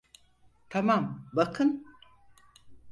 Tamam, bakın.